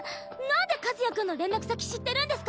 なんで和也君の連絡先知ってるんですか？